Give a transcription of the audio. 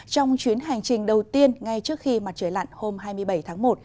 trong chuyến hành trình đầu tiên ngay trước khi mặt trời lặn hôm hai mươi bảy tháng một